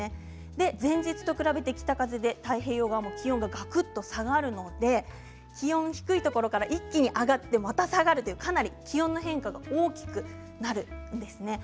前日と比べて北風で太平洋側も気温が、がくっと下がるので気温が低いところから一気に上がってまた下がるというかなり気温の変化が大きくなるんです。